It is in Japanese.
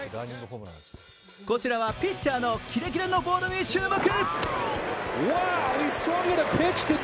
こちらはピッチャーのキレキレのボールに注目。